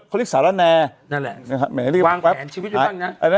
เขาเรียกสารแน่นั่นแหละนั่นแหละวางแผนชีวิตด้วยบ้างน่ะ